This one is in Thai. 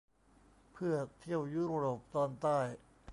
เพื่อเที่ยวยุโรปตอนใต้